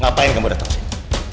ngapain kamu datang sini